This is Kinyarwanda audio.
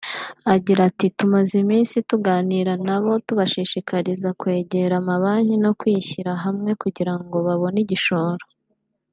Agira ati “Tumaze iminsi tuganira na bo tubashishikariza kwegera amabanki no kwishyira hamwe kugira ngo babone igishoro